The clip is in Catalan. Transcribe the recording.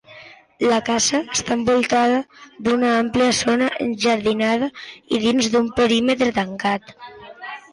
La casa està envoltada d'una àmplia zona enjardinada i dins un perímetre tancat.